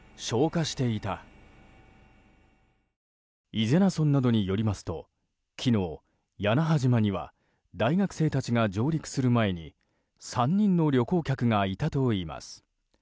伊是名村などによりますと昨日、屋那覇島には大学生たちが上陸する前に３人の旅行客がいたといいます。